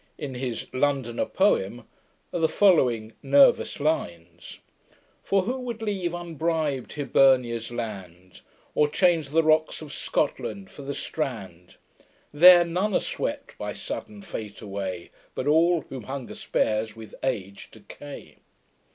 In his London, a poem, are the following nervous lines: For who would leave, unbrib'd, Hibernia's land Or change the rocks of Scotland for the Strand There none are swept by sudden fate away; But all, whom hunger spares, with age decay.